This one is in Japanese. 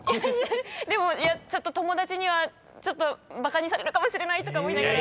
でも友達にはちょっとバカにされるかもしれないとか思いながら。